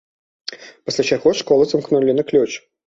Пасля чаго школу замкнулі на ключ.